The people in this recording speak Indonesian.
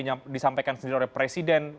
yang disampaikan sendiri oleh presiden